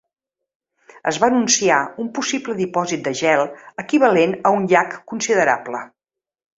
Es va anunciar un possible dipòsit de gel equivalent a un llac considerable.